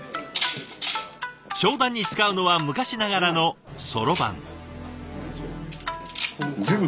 商談に使うのは昔ながらのそろばん。